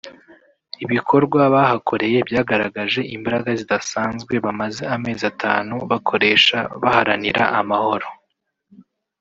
Ibikorwa bahakoreye byagaragaje imbaraga zidasanzwe bamaze amezi atanu bakoresha baharanira amahoro